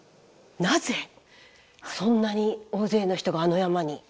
なぜそんなに大勢の人があの山に？